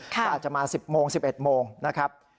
ก็อาจจะมา๑๐โมง๑๑โมงนะครับ